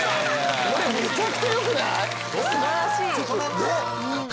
これめちゃくちゃよくない？